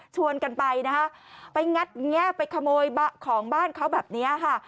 กันไปนะคะไปงัดแงะไปขโมยของบ้านเขาแบบนี้ค่ะ